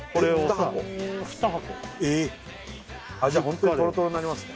あっじゃあホントにトロトロになりますね